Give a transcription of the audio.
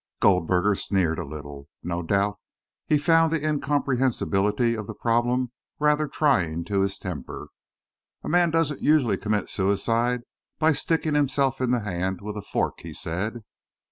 Goldberger sneered a little. No doubt he found the incomprehensibility of the problem rather trying to his temper. "A man doesn't usually commit suicide by sticking himself in the hand with a fork," he said.